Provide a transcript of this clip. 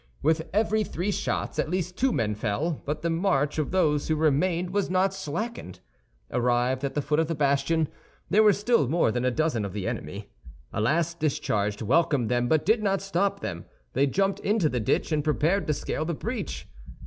With every three shots at least two men fell; but the march of those who remained was not slackened. Arrived at the foot of the bastion, there were still more than a dozen of the enemy. A last discharge welcomed them, but did not stop them; they jumped into the ditch, and prepared to scale the breach.